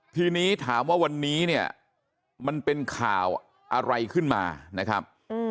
ทีนี้ถามว่าวันนี้เนี่ยมันเป็นข่าวอะไรขึ้นมานะครับ